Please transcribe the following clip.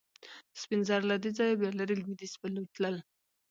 سپین زر له دې ځایه بیا لرې لوېدیځ په لور تلل.